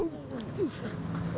bang parman hebat juga